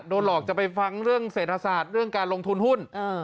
โดนหลอกจะไปฟังเรื่องเศรษฐศาสตร์เรื่องการลงทุนหุ้น